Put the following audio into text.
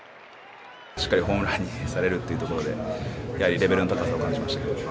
しっかりホームランにされるっていうところで、やはりレベルの高さを感じました。